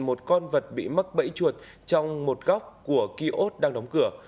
một con vật bị mắc bẫy chuột trong một góc của kia ốt đang đóng cửa